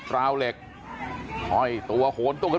สวัสดีครับคุณผู้ชาย